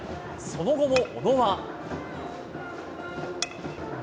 その後も小野は。